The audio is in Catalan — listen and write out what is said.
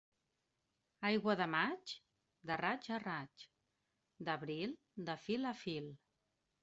Aigua de maig, de raig a raig; d'abril, de fil a fil.